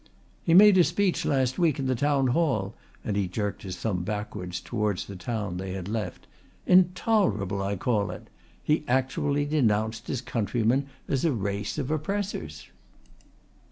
"He made a speech last week in the town hall," and he jerked his thumb backwards towards the town they had left. "Intolerable I call it. He actually denounced his own countrymen as a race of oppressors."